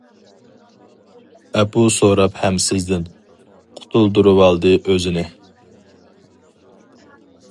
ئەپۇ سوراپ ھەم سىزدىن، قۇتۇلدۇرۇۋالدى ئۆزىنى.